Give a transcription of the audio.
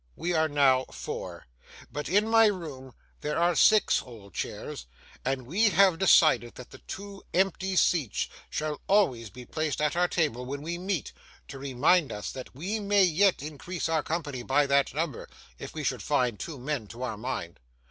We are now four. But in my room there are six old chairs, and we have decided that the two empty seats shall always be placed at our table when we meet, to remind us that we may yet increase our company by that number, if we should find two men to our mind.